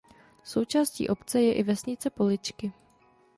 Součástí obce je i vesnice Poličky.